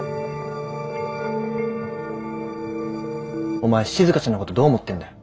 「お前しずかちゃんのことどう思ってんだよ？」。